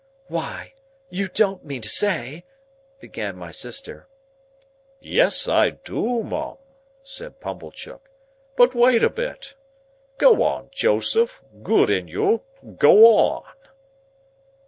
"Why, you don't mean to say—" began my sister. "Yes I do, Mum," said Pumblechook; "but wait a bit. Go on, Joseph. Good in you! Go on!"